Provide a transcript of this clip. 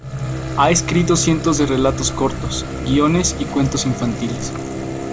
Ha escrito cientos de relatos cortos, guiones y cuentos infantiles.